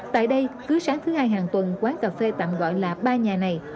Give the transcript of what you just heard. tại đây cứ sáng thứ hai hàng tuần quán cà phê tạm gọi là ba nhà này